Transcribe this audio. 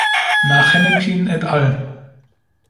Nach Hennequin et al.